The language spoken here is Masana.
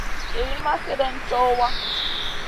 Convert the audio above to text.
Liyn ma slèdeyn co wa.